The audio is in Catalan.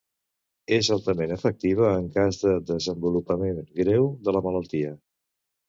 És altament efectiva en cas de desenvolupament greu de la malaltia.